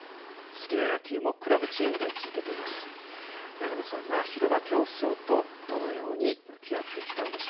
好きな野球もクラブチームで続けています。